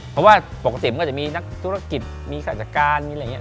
เพราะว่าปกติมันก็จะมีนักธุรกิจมีข้าราชการมีอะไรอย่างนี้